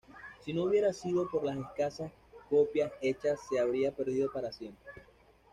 Sino hubiera sido por las escasas copias hechas se habría perdido para siempre.